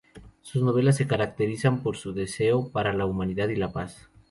Sus novelas se caracterizan por su deseo para la humanidad y la paz.